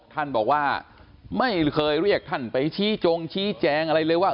ท่านบอกว่าไม่เคยเรียกท่านไปชี้จงชี้แจงอะไรเลยว่า